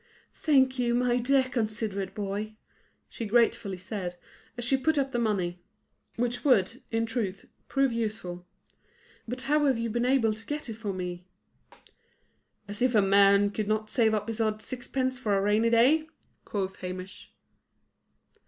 "Thank you, my dear, considerate boy!" she gratefully said, as she put up the money, which would, in truth, prove useful. "But how have you been able to get it for me?" "As if a man could not save up his odd sixpences for a rainy day!" quoth Hamish.